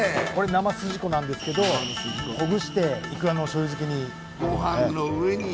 これ生すじこなんですけどほぐしていくらの醤油漬けに。